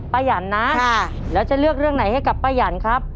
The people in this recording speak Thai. ยันนะแล้วจะเลือกเรื่องไหนให้กับป้ายันครับ